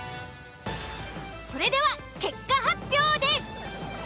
それでは結果発表です。